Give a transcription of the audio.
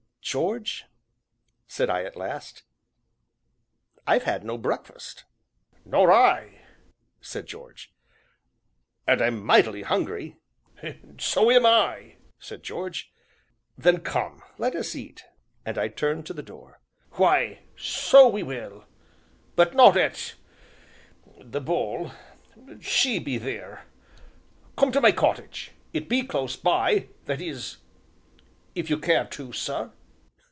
"George," said I at last, "I've had no breakfast." "Nor I!" said George. "And I'm mightily hungry!" "So am I," said George. "Then come, and let us eat," and I turned to the door. "Why, so we will but not at 'The Bull' she be theer. Come to my cottage it be close by that is, if you care to, sir?"